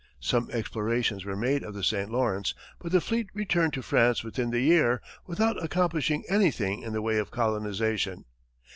Some explorations were made of the St. Lawrence, but the fleet returned to France within the year, without accomplishing anything in the way of colonization.